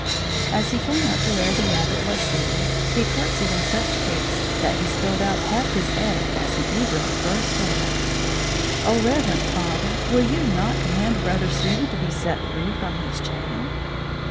As he came up to where the Abbot was sitting, he courtesied in such haste that he spilled out half his egg as he eagerly burst out: "O reverend Father! will you not command Brother Stephen to be set free from his chain?"